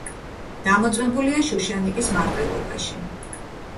დამოწმებულია „შუშანიკის მარტვილობაში“.